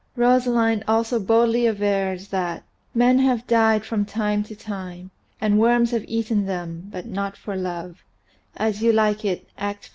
Rosalind also boldly avers that "men have died from time to time, and worms have eaten them, but not for love " ("As You Like It," Act.